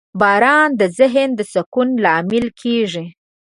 • باران د ذهن د سکون لامل کېږي.